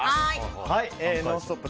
「ノンストップ！」